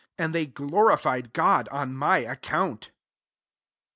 24 And they glorified God on my account.